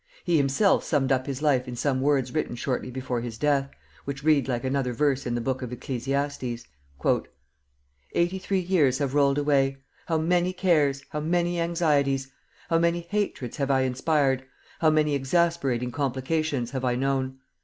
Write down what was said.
He himself summed up his life in some words written shortly before his death, which read like another verse in the Book of Ecclesiastes: "Eighty three years have rolled away! How many cares, how many anxieties! How many hatreds have I inspired, how many exasperating complications have I known!